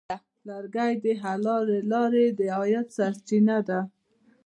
لرګی د حلالې لارې د عاید سرچینه ده.